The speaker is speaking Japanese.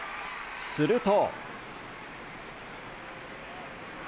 すると。